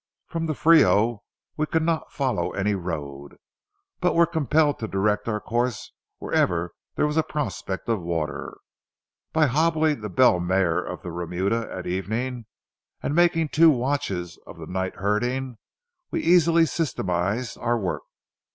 From the Frio we could not follow any road, but were compelled to direct our course wherever there was a prospect of water. By hobbling the bell mare of the remuda at evening, and making two watches of the night herding, we easily systematized our work.